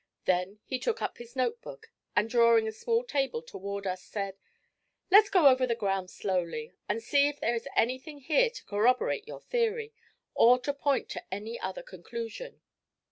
Then he took up his notebook, and, drawing a small table toward us, said: 'Let's go over the ground slowly, and see if there is anything here to corroborate your theory, or to point to any other conclusion.'